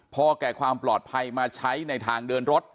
พอแก่ความปลอดภัยมาใช้ในทางเดินรถ